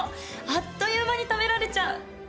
あっという間に食べられちゃう！